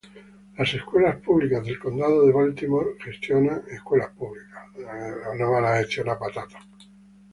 Las Escuelas Públicas del Condado de Baltimore gestiona escuelas públicas.